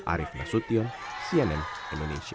arief nasutil cnn indonesia